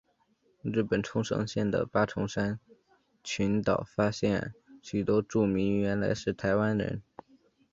日本冲绳县的八重山群岛发现许多住民原来是台湾人。